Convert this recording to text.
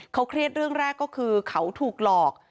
เขาเครียดเรื่องแรกก็คือเขาถูกหลอก